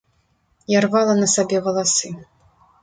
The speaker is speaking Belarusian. Я рвала на сабе валасы.